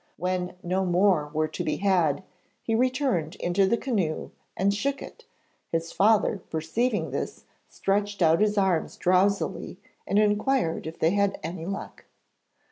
When no more were to be had, he returned into the canoe and shook it; his father perceiving this, stretched out his arms drowsily and inquired if they had had any luck.